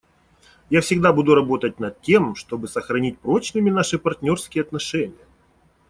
Я всегда буду работать над тем, чтобы сохранить прочными наши партнерские отношения.